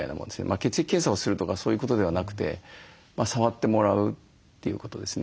血液検査をするとかそういうことではなくて触ってもらうということですね。